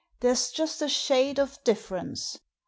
There's just a shade of difference.'